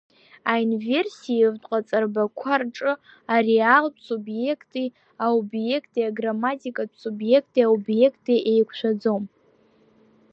Аинверсивтә ҟаҵарбақәа рҿы ареалтә субиекти аобиекти аграмматикатә субиекти аобиекти еиқәшәаӡом…